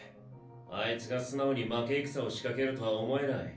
あいつが素直に負け戦を仕掛けるとは思えない。